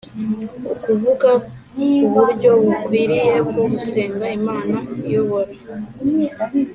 ukuvuga uburyo bukwiriye bwo gusenga Imana iyobora